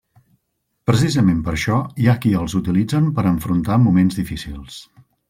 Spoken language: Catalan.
Precisament per això hi ha qui els utilitzen per a enfrontar moments difícils.